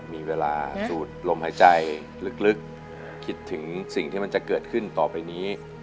มีเวลาสูดลมหายใจลึกคิดถึงสิ่งที่มันจะเกิดขึ้นต่อไปนี้